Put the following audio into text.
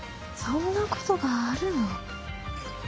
そんなことがあるの？